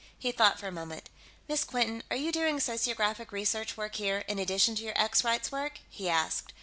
He thought for a moment. "Miss Quinton, are you doing sociographic research work here, in addition to your Ex Rights work?" he asked.